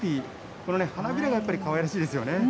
これ、花びらがやはりかわいらしいですよね。